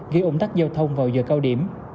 gây ổn tắc giao thông vào giờ cao điểm